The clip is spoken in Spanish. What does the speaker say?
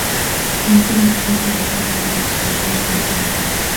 Intro y Fin de la Cadena Nacional Argentina.